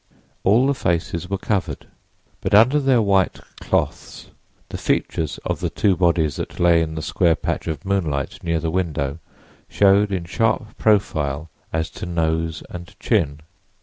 All the faces were covered, but under their white cloths the features of the two bodies that lay in the square patch of moonlight near the window showed in sharp profile as to nose and chin.